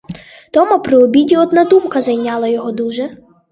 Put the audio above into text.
Дома при обіді одна думка зайняла його дуже.